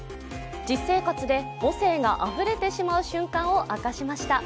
実生活で母性があふれてしまう瞬間を明かしました。